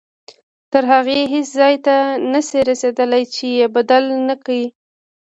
تر هغې هیڅ ځای ته نه شئ رسېدلی چې یې بدل نه کړئ.